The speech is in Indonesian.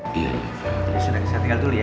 bisa dan saya tinggal dulu ya